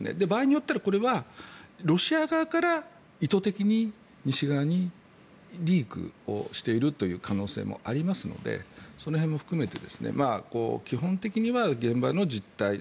場合によったらこれはロシア側から意図的に西側にリークをしているという可能性もありますのでその辺も含めて基本的には現場の実態